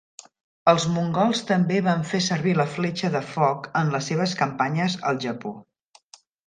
Els mongols també van fer servir la fletxa de foc en les seves campanyes al Japó.